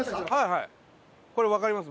これわかります。